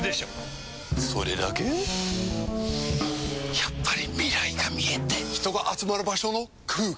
やっぱり未来が見えて人が集まる場所の空気！